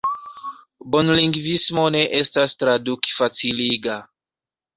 Bonlingvismo ne estas traduk-faciliga.